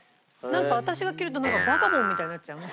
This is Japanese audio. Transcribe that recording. なんか私が着るとバカボンみたいになっちゃうの。